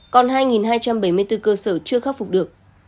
còn hai hai trăm bảy mươi bốn cơ sở chưa khắc phục được